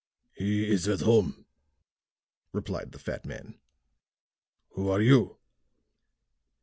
"He is at home," replied the fat man. "Who are you?"